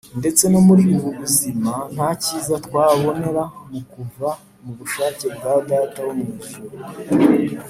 ). Ndetse no muri ubu buzima nta cyiza twabonera mu kuva mu bushake bwa Data wo mw’ ijuru